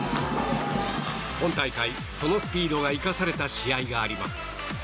今大会、そのスピードが生かされた試合があります。